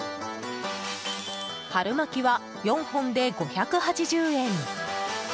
春巻は、４本で５８０円。